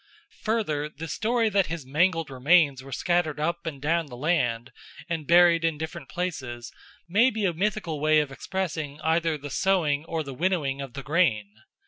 Further, the story that his mangled remains were scattered up and down the land and buried in different places may be a mythical way of expressing either the sowing or the winnowing of the grain.